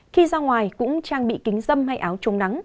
khi ra ngoài cũng trang bị kính dâm hay áo chống nắng